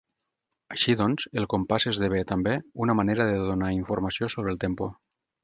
Així, doncs, el compàs esdevé, també, una manera de donar informació sobre el tempo.